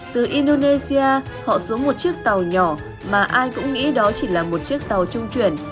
từ indonesia họ xuống một chiếc tàu nhỏ mà ai cũng nghĩ đó chỉ là một chiếc tàu trung chuyển